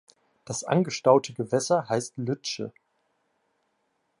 Das angestaute Gewässer heißt Lütsche.